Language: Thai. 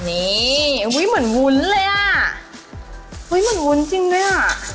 นี่อุ้ยเหมือนวุ้นเลยอ่ะอุ้ยเหมือนวุ้นจริงด้วยอ่ะ